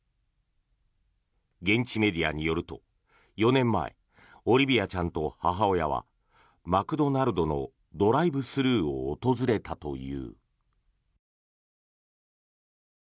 現地メディアによると４年前オリビアちゃんと母親はマクドナルドのドライブスルーを訪れたという。